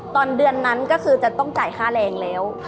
ตอนเดือนนั้นก็คือจะต้องจ่ายค่าแรงแล้ว